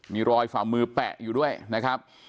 มีรอยฝ่ามือแปะอยู่ด้วยนะครับ